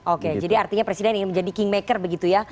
oke jadi artinya presiden ingin menjadi kingmaker begitu ya